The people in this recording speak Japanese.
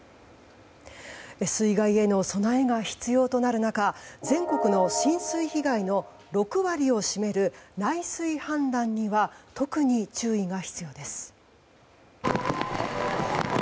水害への備えが必要となる中全国の浸水被害の６割を占める内水氾濫には特に注意が必要です。